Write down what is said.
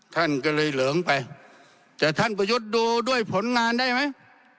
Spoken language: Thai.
ท่านก็เลยเหลิงไปแต่ท่านประยุทธ์ดูด้วยผลงานได้ไหม